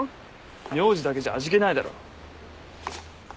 名字だけじゃ味気ないだろ。